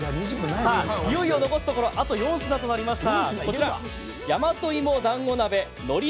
いよいよ残すところあと４品となりました。